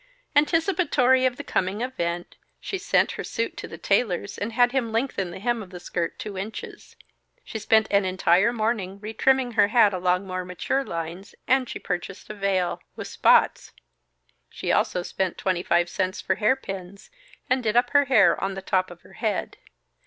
Anticipatory of the coming event, she sent her suit to the tailor's and had him lengthen the hem of the skirt two inches. She spent an entire morning retrimming her hat along more mature lines, and she purchased a veil with spots! She also spent twenty five cents for hairpins, and did up her hair on the top of her head.